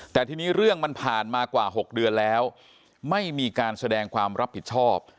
แต่ทีนี้เรื่องมันผ่านมากว่า๖เดือนแล้วไม่มีการแสดงความรับผิดชอบ